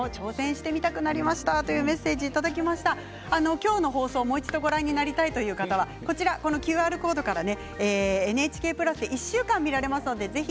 今日の放送をもう一度ご覧になりたい方はＱＲコードからＮＨＫプラスで１週間見られます。